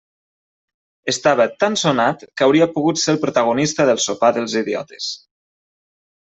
Estava tan sonat que hauria pogut ser el protagonista del sopar dels idiotes.